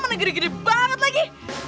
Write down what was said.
malah beneran malah gede gede banget lagi